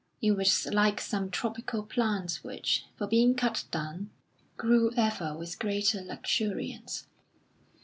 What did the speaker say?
It was like some tropical plant which, for being cut down, grew ever with greater luxuriance.